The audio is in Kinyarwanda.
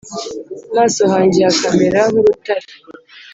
Maso hanjye hakamera nk urutare